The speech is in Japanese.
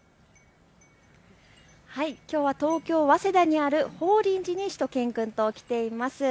きょうは東京早稲田にある法輪寺にしゅと犬くんと来ています。